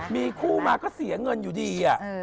มีคู่มาก็เสียเงินอยู่ดี